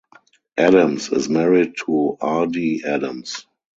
Adams is married to Ardee Adams.